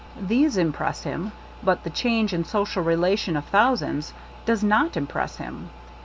These impress him ; but the change in social relation of thou sands does not impress him.